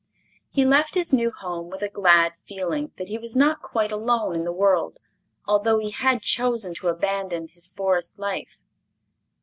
He left his new home with a glad feeling that he was not quite alone in the world, although he had chosen to abandon his Forest life.